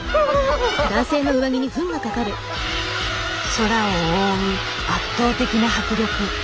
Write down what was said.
空を覆う圧倒的な迫力。